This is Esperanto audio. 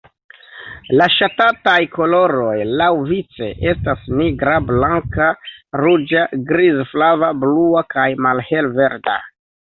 La ŝatataj koloroj laŭvice estas nigra, blanka, ruĝa, grizflava, blua kaj malhelverda.